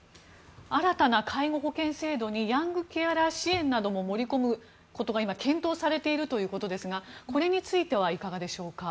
新たな介護保険制度にヤングケアラー支援なども盛り込むことが今検討されているということですがこれについてはいかがでしょうか。